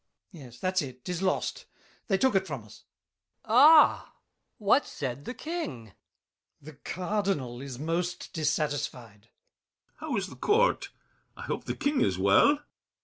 ] Yes, that's it. 'Tis lost! They took it from us. ROCHEBARON. Ah! What said the King? GASSÉ. The Cardinal is most dissatisfied. BRICHANTEAU. How is the Court? I hope the King is well.